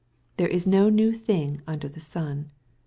" There is no new thing under the sun."